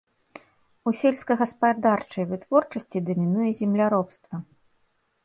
У сельскагаспадарчай вытворчасці дамінуе земляробства.